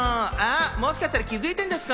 もしかしたら気づいてんですか？